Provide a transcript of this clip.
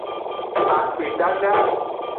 Akpedada.